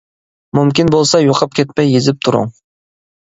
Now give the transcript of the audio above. مۇمكىن بولسا يوقاپ كەتمەي يېزىپ تۇرۇڭ.